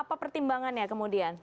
apa pertimbangan ya kemudian